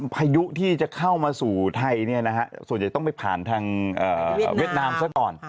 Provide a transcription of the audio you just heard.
พายุที่จะเข้ามาสู่ไทยส่วนใหญ่ต้องไปผ่านทางเวียดนามซะก่อน